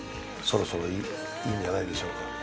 そろそろいいんじゃないでしょうか？